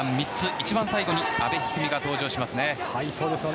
一番最後に阿部一二三が登場しますね。